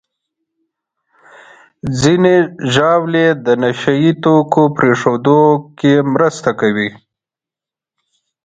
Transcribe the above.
ځینې ژاولې د نشهیي توکو پرېښودو کې مرسته کوي.